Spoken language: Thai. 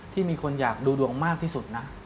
ที่มีคนอยากดูดวงมากที่สุดนะ